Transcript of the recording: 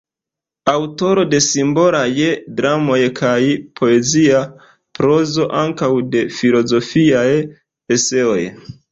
Aŭtoro de simbolaj dramoj kaj poezia prozo, ankaŭ de filozofiaj eseoj.